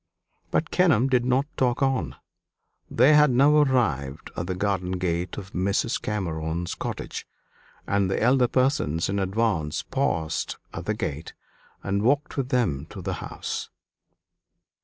But Kenelm did not talk on. They had now arrived at the garden gate of Mrs. Cameron's cottage, and the elder persons in advance paused at the gate and walked with them to the house.